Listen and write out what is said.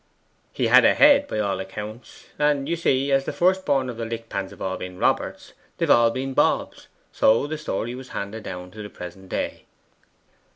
'He had a head, by all account. And, you see, as the first born of the Lickpans have all been Roberts, they've all been Bobs, so the story was handed down to the present day.